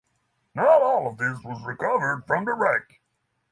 Not all of this was recovered from the wreck.